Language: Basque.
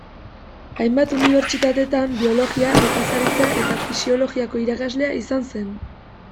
Hainbat unibertsitatetan biologia, nekazaritza eta fisiologiako irakaslea izan zen.